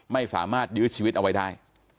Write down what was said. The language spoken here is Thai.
ไม่สามารถยื้อชีวิตเอาไว้ได้